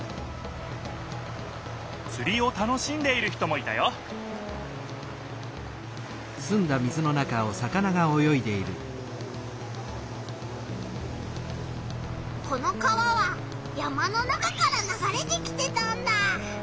釣りを楽しんでいる人もいたよこの川は山の中からながれてきてたんだ。